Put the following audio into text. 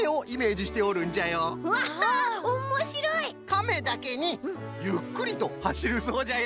かめだけにゆっくりとはしるそうじゃよ。